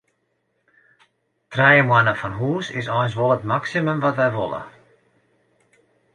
Trije moanne fan hús is eins wol it maksimum wat wy wolle.